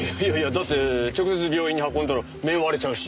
だって直接病院に運んだら面割れちゃうし。